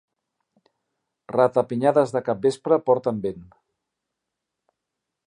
Ratapinyades de capvespre porten vent.